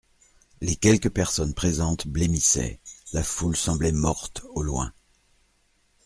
Les quelques personnes présentes blêmissaient, la foule semblait morte, au loin.